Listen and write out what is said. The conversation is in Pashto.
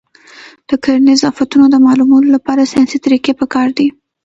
د کرنیزو آفتونو د معلومولو لپاره ساینسي طریقې پکار دي.